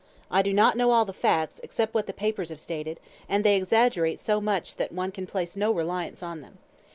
I do not know all the facts, except what the papers have stated, and they exaggerate so much that one can place no reliance on them.